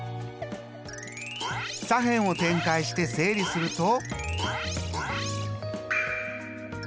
左辺を展開して整理すると。